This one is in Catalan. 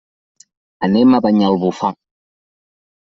Anem a Banyalbufar.